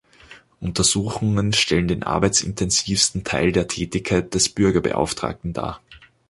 Untersuchungen stellen den arbeitsintensivsten Teil der Tätigkeit des Bürgerbeauftragten dar.